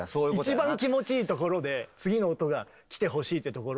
一番気持ちいいところで次の音が来てほしいってところを。